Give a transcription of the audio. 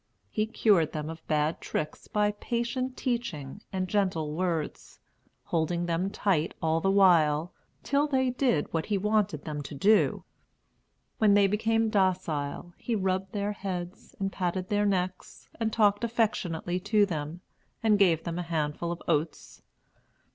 He cured them of bad tricks by patient teaching and gentle words; holding them tight all the while, till they did what he wanted them to do. When they became docile, he rubbed their heads, and patted their necks, and talked affectionately to them, and gave them a handful of oats.